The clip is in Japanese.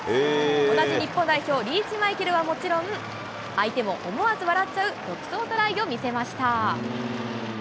同じ日本代表、リーチマイケルももちろん、相手も思わず笑っちゃう独走トライを見せました。